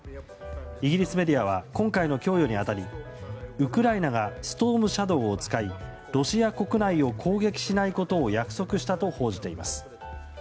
イギリスメディアは今回の供与に当たりウクライナがストームシャドウを使いロシア国内を攻撃しないことを約束したと報じています。